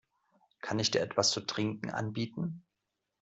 Kann ich dir etwas zu trinken anbieten?